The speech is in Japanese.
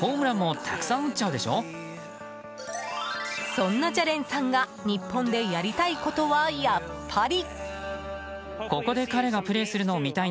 そんなジャレンさんが日本でやりたいことはやっぱり。